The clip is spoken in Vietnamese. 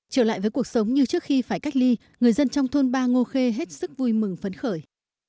trở lại với cuộc sống như trước khi phải cách ly người dân trong thôn ba ngô khê hết sức vui mừng phấn khởi